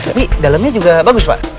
tapi dalamnya juga bagus pak